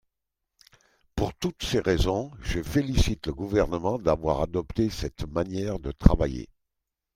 Pour toutes ces raisons, je félicite le Gouvernement d’avoir adopté cette manière de travailler.